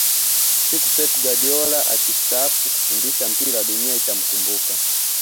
siku pep guardiola akistaafu kufundisha mpira dunia itamkumbuka